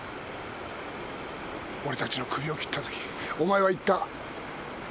俺たちのクビを切った時お前は言った。